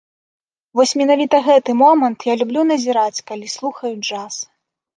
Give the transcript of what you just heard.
Вось менавіта гэты момант я люблю назіраць, калі слухаю джаз.